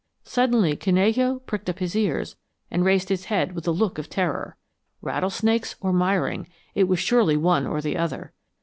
Suddenly Canello pricked up his ears and raised his head with a look of terror. Rattlesnakes or miring it was surely one or the other!